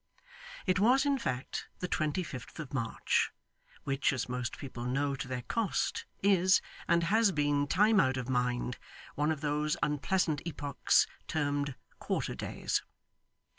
It was, in fact, the twenty fifth of March, which, as most people know to their cost, is, and has been time out of mind, one of those unpleasant epochs termed quarter days.